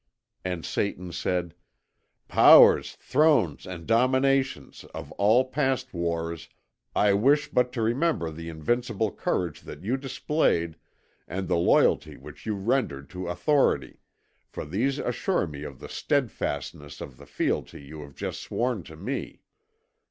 And Satan said: "Powers, Thrones, and Dominations, of all past wars, I wish but to remember the invincible courage that you displayed and the loyalty which you rendered to authority, for these assure me of the steadfastness of the fealty you have just sworn to me."